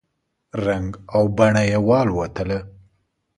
رنګ او بڼه یې والوتله !